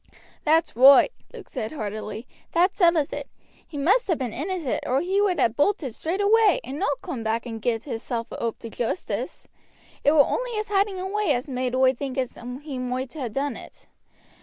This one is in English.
"That's roight," Luke said heartily; "that settles it. He must ha' been innocent or he would ha' bolted straight away, and not coom back and gi'd hisself oop to justice. It were only his hiding away as maade oi think as he moight ha' done it.